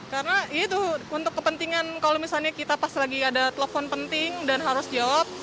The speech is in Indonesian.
karena itu untuk kepentingan kalau misalnya kita pas lagi ada telepon penting dan harus jawab